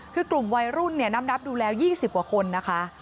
คือกลุ่มวัยรุ่นนับดูแล้ว๒๐กว่าคนนะคะ